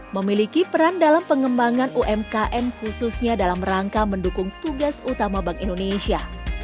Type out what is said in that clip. memiliki peran dalam pengembangan umkm khususnya dalam rangka mendukung tugas utama bank indonesia